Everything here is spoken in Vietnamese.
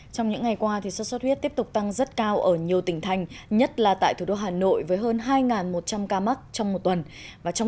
trong những ngày qua sốt xuất huyết tiếp tục tăng rất cao ở nhiều tỉnh thành nhất là tại thủ đô hà nội với hơn hai một trăm linh ca mắc trong một tuần